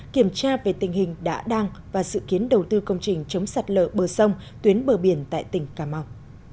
kiểm tra về tình hình đã đang và sự kiến đầu tư công trình chống sạt lở bờ sông tuyến bờ biển tại tỉnh cà mau